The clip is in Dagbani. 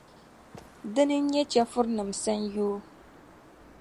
Dina n-nyɛ chεfurinim’ sanyoo.